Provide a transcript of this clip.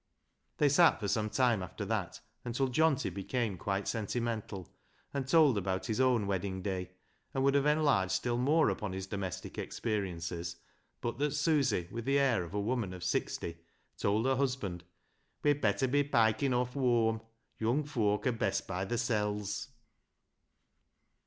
They sat for some time after that, until Johnty became quite sentimental, and told about his own wedding day, and would have enlarged still more upon his domestic ex periences, but that Susy, with the air of a woman of sixty, told her husband, " We'd better be piking off whoam ; young foak are best by thersel's."